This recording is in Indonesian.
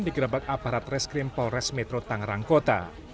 di gerbak aparat reskrim polres metro tangerang kota